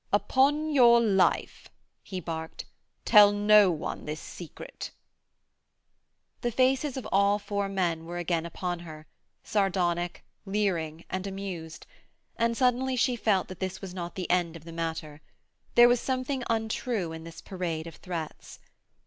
'Upon your life,' he barked, 'tell no soul this secret.' The faces of all the four men were again upon her, sardonic, leering and amused, and suddenly she felt that this was not the end of the matter: there was something untrue in this parade of threats.